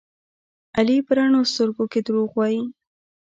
علي په رڼو سترګو کې دروغ وایي.